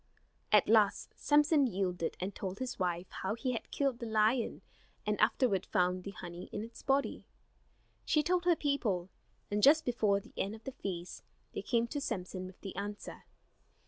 At last Samson yielded, and told his wife how he had killed the lion and afterward found the honey in its body. She told her people, and just before the end of the feast they came to Samson with the answer.